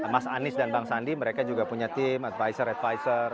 mas anies dan bang sandi mereka juga punya tim advisor advisor